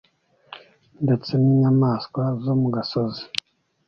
ndetse n'inyamaswa zo mu gasozi